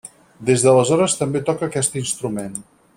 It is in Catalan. Des d'aleshores també toca aquest instrument.